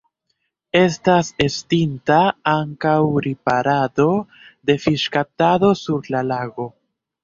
Estas estinta ankaŭ riparado de fiŝkaptado sur la lago.